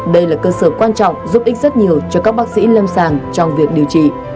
đây là cơ sở quan trọng giúp ích rất nhiều cho các bác sĩ lâm sàng trong việc điều trị